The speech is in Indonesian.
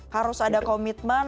harus ada komitmen